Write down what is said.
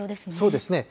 そうですね。